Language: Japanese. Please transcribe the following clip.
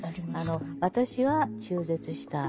私は中絶した。